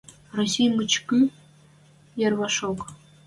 Россий мычкы йӹрвӓшок.